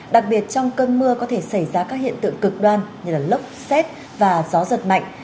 đặc biệt trong cơn mưa có thể xảy ra các hiện tượng cực đoan như lốc xét và gió giật mạnh